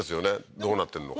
どうなってんのか